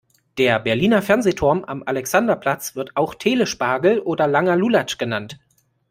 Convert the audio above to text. Der Berliner Fernsehturm am Alexanderplatz wird auch Telespagel oder langer Lulatsch genannt.